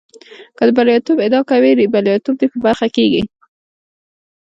که د برياليتوب ادعا کوې برياليتوب دې په برخه کېږي.